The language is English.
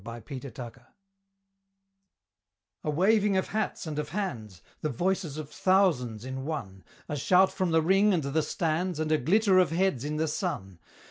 Kingsborough A waving of hats and of hands, The voices of thousands in one, A shout from the ring and the stands, And a glitter of heads in the sun!